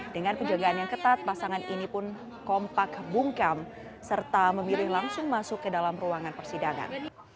dengan penjagaan yang ketat pasangan ini pun kompak bungkam serta memilih langsung masuk ke dalam ruangan persidangan